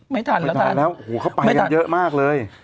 ไม่ทันแล้วไม่ทันไม่ทันแล้วเขาไปยังเยอะมากเลย